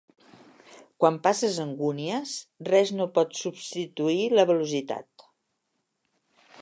Quan passes angúnies, res no pot substituir la velocitat.